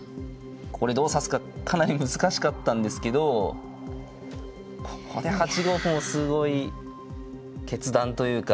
これどう指すかかなり難しかったんですけどここで８五歩もすごい決断というか。